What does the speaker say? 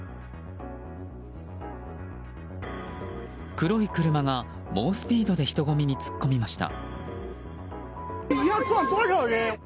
黒い車が猛スピードで人混みに突っ込みました。